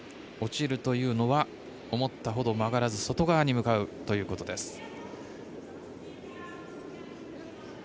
落ちるというのは思ったほど曲がらず外側に向かうということです。